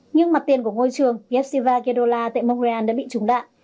nhưng mặt tiền của ngôi trường yevshiva kedola tại montreal đã bị trúng đạn